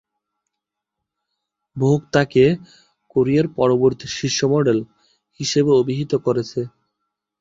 ভোগ তাকে "কোরিয়ার পরবর্তী শীর্ষ মডেল" হিসেবে অভিহিত করেছে।